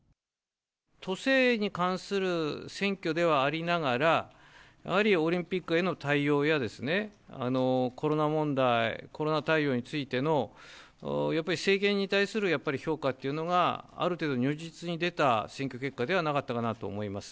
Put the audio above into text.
都政に関する選挙ではありながら、やはりオリンピックへの対応やコロナ問題、コロナ対応についての、やっぱり政権に対する評価というのが、ある程度如実に出た選挙結果ではなかったかなと思います。